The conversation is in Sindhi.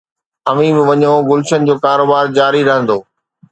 اوهين به وڃو، گلشن جو ڪاروبار جاري رهندو